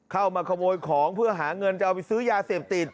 เข้ามาขโมยของเพื่อหาเงินจะเอาไปซื้อยาเสพติด